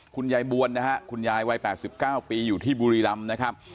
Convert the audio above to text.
คุณยายบวนนะฮะคุณยายวัย๘๙ปีอยู่ที่บุรีรำนะครับ